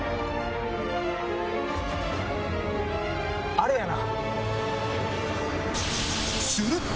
あれやな。